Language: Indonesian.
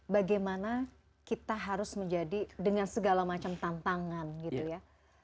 bagaimana kita harus menjadi dengan segala macam tantangan gitu ya